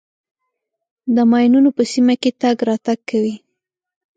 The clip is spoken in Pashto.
د ماینونو په سیمه کې تګ راتګ کوئ.